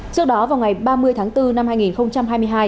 trước đó vào ngày ba mươi tháng bốn năm hai nghìn hai mươi hai